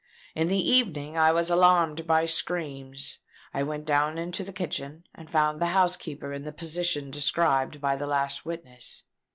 In the evening I was alarmed by screams. I went down into the kitchen, and found the housekeeper in the position described by the last witness.